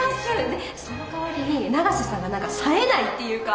でそのかわりに永瀬さんが何か冴えないっていうか。